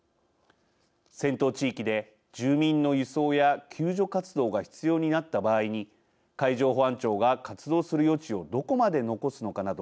戦闘地域で、住民の輸送や救助活動が必要になった場合に海上保安庁が活動する余地をどこまで残すのかなど